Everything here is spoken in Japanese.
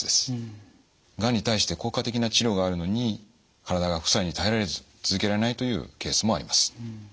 がんに対して効果的な治療があるのに体が副作用に耐えられず続けられないというケースもあります。